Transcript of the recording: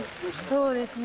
そうですね。